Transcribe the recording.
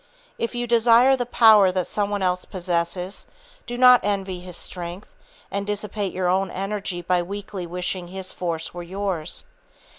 If you desire the power that some one else possesses, do not envy his strength, and dissipate your energy by weakly wishing his force were yours.